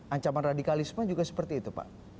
ancaman radikalisme juga seperti itu pak